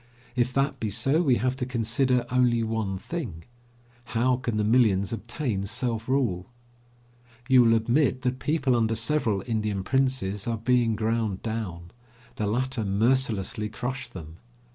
If that be so, we have to consider only one thing: how can the millions obtain self rule? You will admit that people under several Indian princes are being ground down. The latter mercilessly crush them.